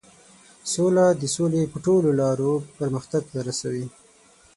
سوله د سولې په ټولو لارو د پرمختګ ته رسوي.